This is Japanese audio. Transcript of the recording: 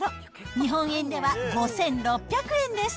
日本円では５６００円です。